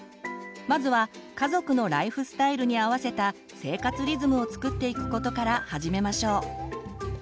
まずは家族のライフスタイルに合わせた生活リズムをつくっていくことから始めましょう。